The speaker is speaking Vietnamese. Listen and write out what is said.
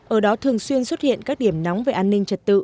ở đó thường xuyên xuất hiện các điểm nóng về an ninh trật tự